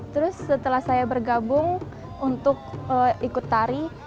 terus setelah saya bergabung untuk ikut tari